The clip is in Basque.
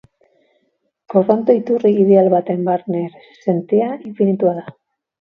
Korronte iturri ideal baten barne erresistentzia infinitua da.